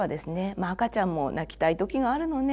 「まあ赤ちゃんも泣きたい時があるのね。